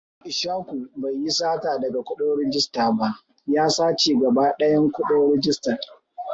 Ishaku bai yi sata daga kuɗin rijista ba. Ya sace gaba ɗayan kuɗin rijistar.